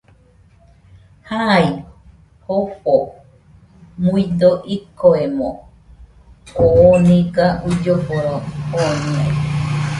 Jai, Jofo nuido ikoemo, oo niga uilloforo joniai